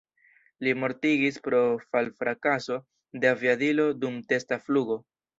Li mortigis pro fal-frakaso de aviadilo dum testa flugo.